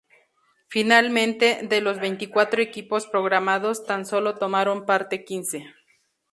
Finalmente, de los veinticuatro equipos programados, tan solo tomaron parte quince.